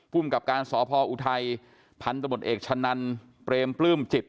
ภูมิกับการสพออุทัยพันธบทเอกชะนันเปรมปลื้มจิต